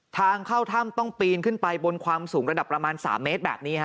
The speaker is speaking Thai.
ทางเข้าถ้ำต้องปีนขึ้นไปบนความสูงระดับประมาณ๓เมตรแบบนี้ฮะ